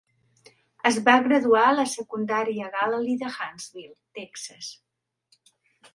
Es va graduar a la secundària Galilee de Hallsville, Texas.